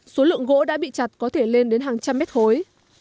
số lượng gỗ đã bị chặt có thể lên đến hàng trăm mét khối